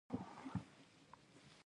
بادیان په ارزګان کې کیږي